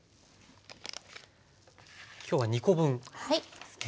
今日は２コ分ですね。